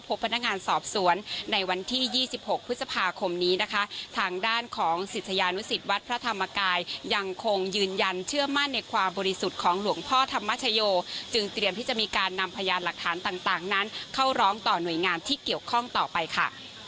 พยายามหลักฐานต่างนั้นเข้าร้องต่อนไหนงานที่เกี่ยวข้องต่อไปค่ะ